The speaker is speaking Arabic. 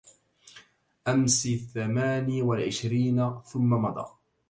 أمسى الثماني والعشرين ثم مضى